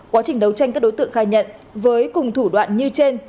quá trình đấu tranh các đối tượng khai nhận với cùng thủ đoạn như trên